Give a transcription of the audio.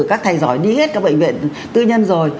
các thầy giỏi đi hết các bệnh viện tư nhân rồi